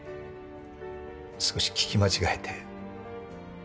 少し聞き間違えて。